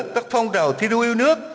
các phong trào thi đu yêu nước